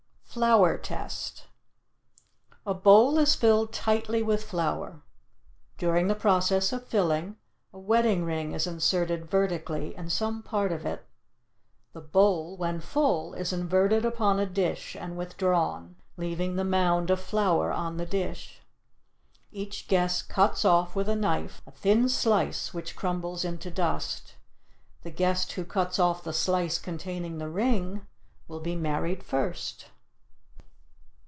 FLOUR TEST A bowl is filled tightly with flour. During the process of filling, a wedding ring is inserted vertically in some part of it. The bowl, when full, is inverted upon a dish and withdrawn, leaving the mound of flour on the dish. Each guest cuts off with a knife a thin slice which crumbles into dust. The guest who cuts off the slice containing the ring will be married first.